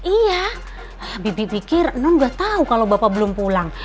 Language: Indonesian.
iya bibi pikir non gak tau kalau bapak belum pulang